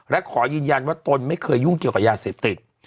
และขอยืนยันว่าตนไม่เคยยุ่งเกี่ยวกับยาเสพติด